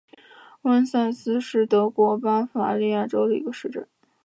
翁塞斯是德国巴伐利亚州的一个市镇。